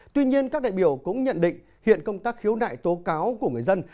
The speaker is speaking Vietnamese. tuy nhiên các đại biểu cũng nhận định hiện công tác khiếu nại tố cáo của người dân